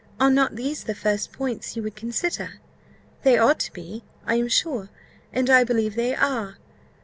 Are not these the first points you would consider? They ought to be, I am sure, and I believe they are.